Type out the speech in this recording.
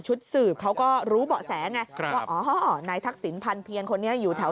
ชุดสืบเขาก็รู้เบาะแสไงครับว่าอ๋ออ๋อนายทักษิณภัณฑ์เพียรคนนี้อยู่แถว